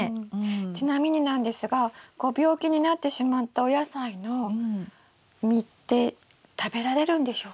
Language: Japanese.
ちなみになんですがご病気になってしまったお野菜の実って食べられるんでしょうか？